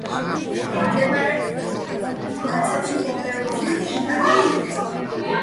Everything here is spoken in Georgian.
მდებარეობს ქვეყნის დასავლეთ ნაწილში, მორელოსის შტატში.